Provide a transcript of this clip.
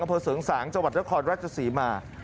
อันพลฯเสริงสางจังหวัดละครรัชศรีมา